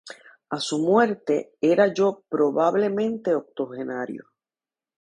A su muerte, era ya probablemente octogenario.